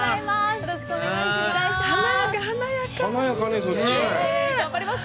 よろしくお願いします。